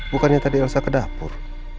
bukannya tadi rusak ke dapur